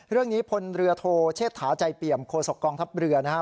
เรื่องนี้พลเรือโทเชษฐาใจเปี่ยมโคสกองทัพเรือนะครับ